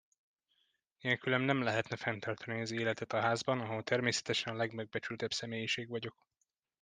Nélkülem nem lehetne fenntartani az életet a házban, ahol természetesen a legmegbecsültebb személyiség vagyok.